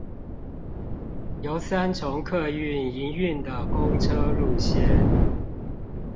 由三重客運營運的公車路線